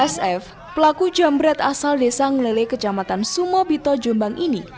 sf pelaku jambret asal desa ngelele kecamatan sumobito jombang ini